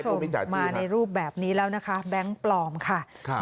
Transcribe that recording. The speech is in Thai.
คุณผู้ชมมาในรูปแบบนี้แล้วนะคะแบงค์ปลอมค่ะครับ